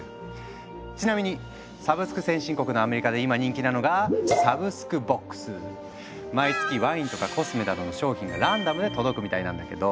ちなみにサブスク先進国のアメリカで今人気なのが毎月ワインとかコスメなどの商品がランダムで届くみたいなんだけど。